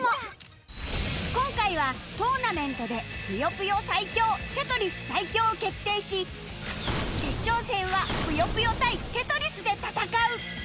今回はトーナメントで『ぷよぷよ』最強『テトリス』最強を決定し決勝戦は『ぷよぷよ』対『テトリス』で戦う